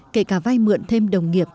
kể cả vai mượn thêm đồng nghiệp